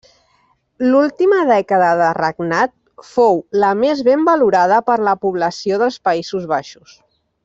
L'última dècada de regnat fou la més ben valorada per la població dels Països Baixos.